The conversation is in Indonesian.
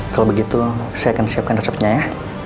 kalau begitu saya akan siapkan resepnya ya